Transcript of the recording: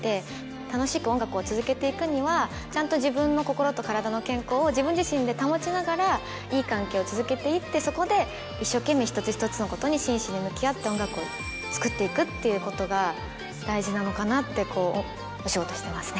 楽しく音楽を続けていくにはちゃんと自分の心と体の健康を自分自身で保ちながらいい関係を続けていってそこで一生懸命一つ一つのことに真摯に向き合って音楽を作っていくということが大事なのかなってお仕事してますね。